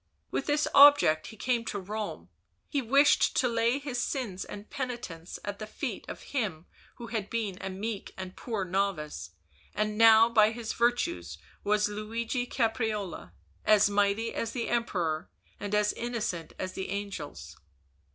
With this object he came to Rome; he wished to lay his sins and penitence at the feet of him who had been a meek and poor novice, and now by his virtues was Luigi Oaprarola, as mighty as the Emperor and as innocent as the angels.